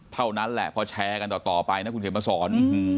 เท่านั้นแหละพอแชร์กันต่อไปนะคุณเขียนมาสอน